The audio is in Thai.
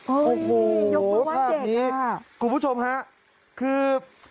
โอ้โหภาพนี้คุณผู้ชมฮะคือ